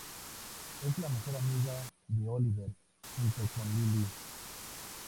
Es la mejor amiga de Oliver junto con Lily.